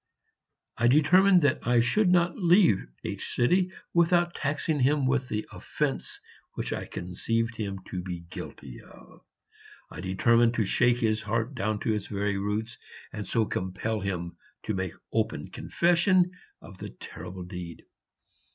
I determined that I would not leave H without taxing him with the offence which I conceived him to be guilty of; I determined to shake his heart down to its very roots, and so compel him to make open confession of the terrible deed.